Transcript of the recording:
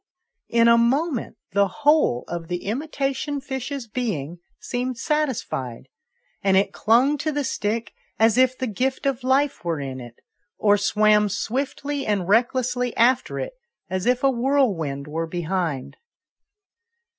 in a moment, the whole of the imitation fish's being seemed satisfied, and it clung to the stick as if the gift of life were in it, or swam swiftly and recklessly after it, as if a whirlwind were behind.